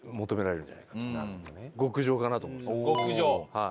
はい。